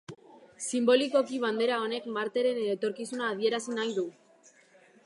Sinbolikoki bandera honek Marteren etorkizuna adierazi nahi du.